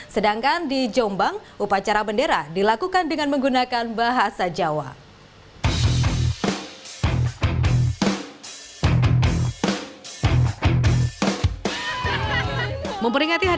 sedangkan di jombang upacara bendera dilakukan dengan menggunakan bahasa jawa